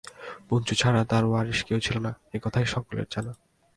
পঞ্চু ছাড়া তার ওয়ারিশ কেউ ছিল না এই কথাই সকলের জানা।